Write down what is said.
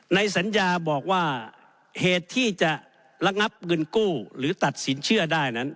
ในสัญญาบอกว่าเหตุที่จะระงับเงินกู้หรือตัดสินเชื่อได้นั้น